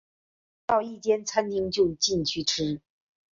找到一间餐厅就进去吃